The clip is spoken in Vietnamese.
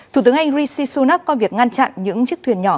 thủ tướng anh rishi sunak coi việc ngăn chặn những chiếc thuyền nhỏ